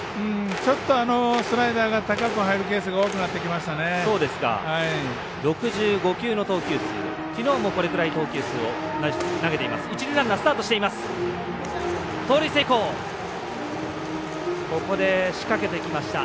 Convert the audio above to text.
ちょっとスライダーが高く入るケースが多くなってきましたね。